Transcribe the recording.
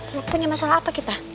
nggak punya masalah apa kita